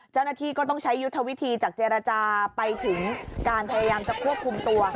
เจ้าหน้าที่ก็ต้องใช้ยุทธวิธีจากเจรจาไปถึงการพยายามจะควบคุมตัว